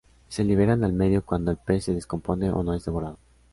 Se liberan al medio cuando el pez se descompone o es devorado.